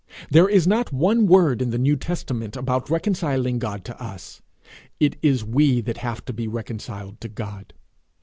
There is not one word in the New Testament about reconciling God to us; it is we that have to be reconciled to God.